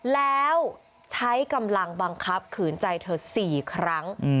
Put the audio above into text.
แล้วใช้กำลังบังคับขืนใจเธอ๔ครั้ง